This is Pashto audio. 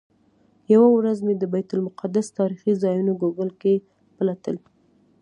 یوه ورځ مې د بیت المقدس تاریخي ځایونه ګوګل کې پلټل.